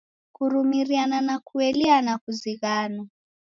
Kurumiriana na kueliana kuzighano.